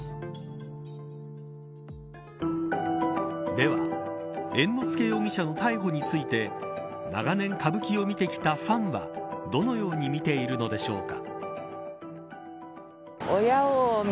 では猿之助容疑者の逮捕について長年、歌舞伎を見てきたファンはどのように見ているのでしょうか。